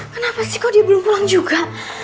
kenapa sih kok dia belum pulang juga